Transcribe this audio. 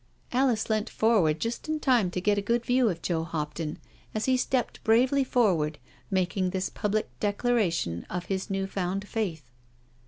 '* Alice leant forward just in time to get a good view of Joe Hopton as he stepped bravely forward, making this public declaration of his new found faith.